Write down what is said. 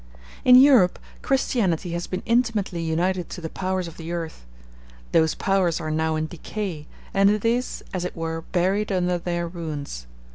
In Europe, Christianity has been intimately united to the powers of the earth. Those powers are now in decay, and it is, as it were, buried under their ruins.